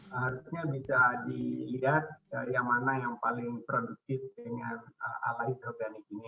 harusnya bisa dilihat yang mana yang paling produktif dengan ala hidroganik ini